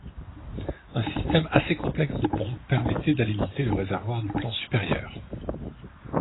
Un système assez complexe de pompes permettait d’alimenter le réservoir du plan supérieur.